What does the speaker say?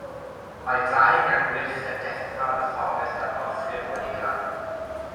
Mae Draig a Gwich yn deffro yn y fforest dan orchudd o eira.